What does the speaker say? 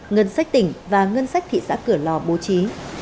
ngân sách tỉnh và ngân sách thị xã cửa lò bố trí